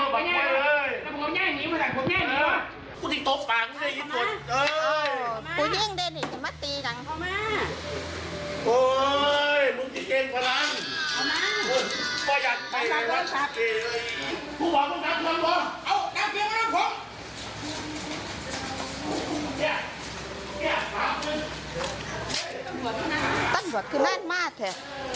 มึงได้เห็นมันตีกัน